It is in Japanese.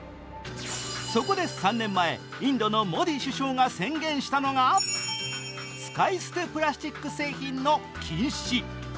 そこで３年前、インドのモディ首相が宣言したのが使い捨てプラスチック製品の禁止。